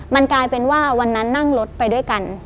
มันกลายเป็นว่าวันนั้นนั่งรถไปด้วยกัน